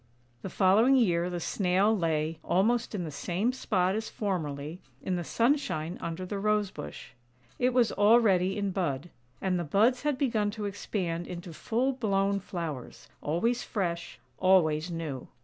The following year the Snail lay, almost in the same spot as formerly, in the sunshine under the Rose bush ; it was already in bud, and the buds had begun to expand into full blown flowers, always fresh, always new.